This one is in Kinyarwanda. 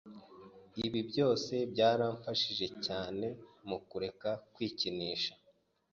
Ibi byose byaramfashije cyane mukureka kwikinisha